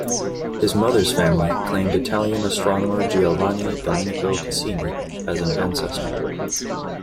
His mother's family claimed Italian astronomer Giovanni Domenico Cassini as an ancestor.